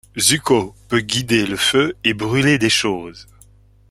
Zuko peut guider le feu et brûler des choses.